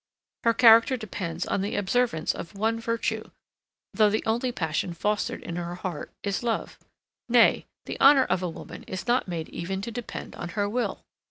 Her character depends on the observance of one virtue, though the only passion fostered in her heart is love. Nay the honour of a woman is not made even to depend on her will.